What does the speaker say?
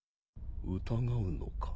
疑うのか？